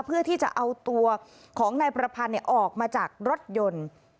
เพื่อที่จะเอาตัวของนายประพันธ์ออกมาจากรถยนต์